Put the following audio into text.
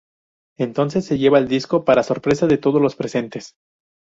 Entonces se lleva el disco, para sorpresa de todos los presentes.